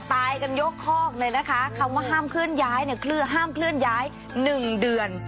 ตายกันยกคอกเลยนะคะคำว่าห้ามเคลื่อนย้ายเนี่ยคือห้ามเคลื่อนย้าย๑เดือน